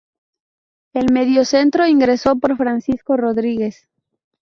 El mediocentro ingresó por Francisco Rodríguez.